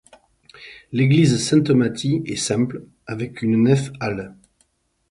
L'église Sainte-Mathie est simple avec une nef-halle.